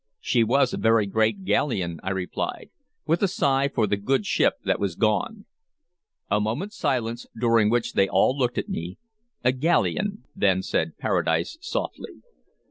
"She was a very great galleon," I replied, with a sigh for the good ship that was gone. A moment's silence, during which they all looked at me. "A galleon," then said Paradise softly.